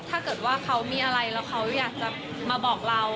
ถ้าเกิดว่าเขามีอะไรแล้วเขาอยากจะมาบอกเรา